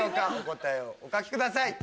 答えをお書きください。